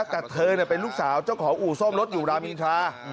แต่เธอเป็นลูกสาวเจ้าของอู่ซ่อมรถอยู่รามอินทรา